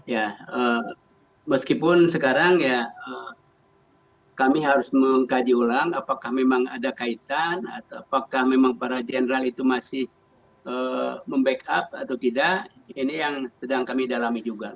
ya meskipun sekarang ya kami harus mengkaji ulang apakah memang ada kaitan atau apakah memang para jenderal itu masih membackup atau tidak ini yang sedang kami dalami juga